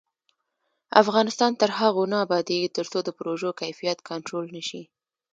افغانستان تر هغو نه ابادیږي، ترڅو د پروژو کیفیت کنټرول نشي.